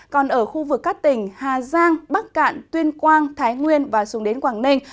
còn ở khu vực các tỉnh hà giang bắc cạn tuyên quang thái nguyên và xuống đến quảng ninh